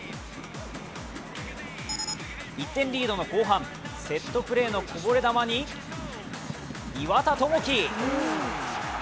１点リードの後半、セットプレーのこぼれ球に、岩田智輝。